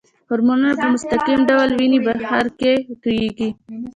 هورمونونه په مستقیم ډول وینې بهیر کې تویېږي.